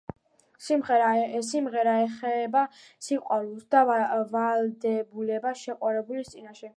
სიმღერა ეხება სიყვარულს და ვალდებულებებს შეყვარებულის წინაშე.